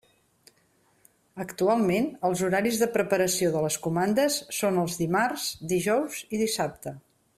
Actualment els horaris de preparació de les comandes són els dimarts, dijous i dissabte.